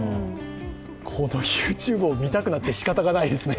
このＹｏｕＴｕｂｅを見たくてしかたないですね。